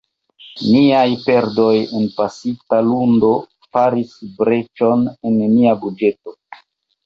Niaj perdoj de pasinta lundo faris breĉon en nia budĝeto.